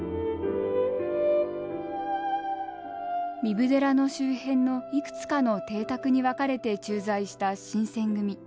壬生寺の周辺のいくつかの邸宅に分かれて駐在した新選組。